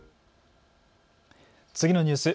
次のニュース